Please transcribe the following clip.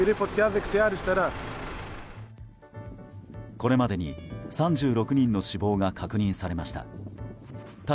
これまでに３６人の死亡が確認されました。